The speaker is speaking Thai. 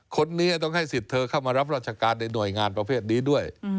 คนนี้จะต้องให้สิทธิ์เธอเข้ามารับราชการในหน่วยงานประเภทนี้ด้วย